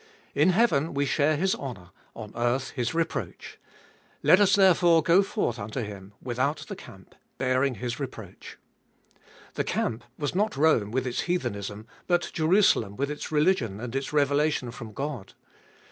In heaven we share His honour ; on earth His reproach. Let us therefore go forth unto Him, without the camp, bearing His reproach. The camp was not Rome with its heathenism, but Jerusalem with its religion and its revelation from God.